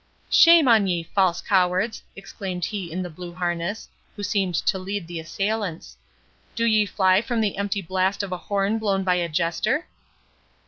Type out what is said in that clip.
"Shame on ye, false cowards!" exclaimed he in the blue harness, who seemed to lead the assailants, "do ye fly from the empty blast of a horn blown by a Jester?"